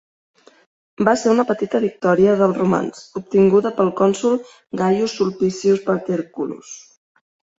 Va ser una petita victòria dels Romans, obtinguda pel cònsol Gaius Sulpicius Paterculus.